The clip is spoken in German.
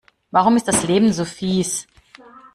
Warum ist das Leben so fieß?